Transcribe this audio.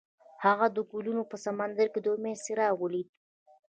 هغه د ګلونه په سمندر کې د امید څراغ ولید.